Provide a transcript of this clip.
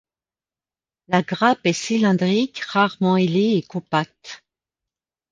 La grappe est cylindrique, rarement ailée et compacte.